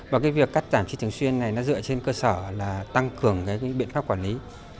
việc cắt giảm tri thường xuyên này dựa trên cơ sở tăng cường biện pháp quản lý